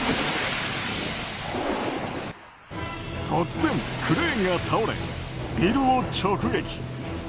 突然、クレーンが倒れビルを直撃。